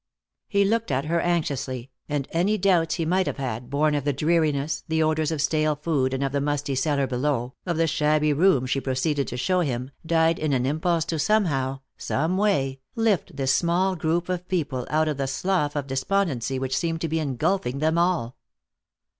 He looked at her anxiously, and any doubts he might have had, born of the dreariness, the odors of stale food and of the musty cellar below, of the shabby room she proceeded to show him, died in an impulse to somehow, some way, lift this small group of people out of the slough of despondency which seemed to be engulfing them all.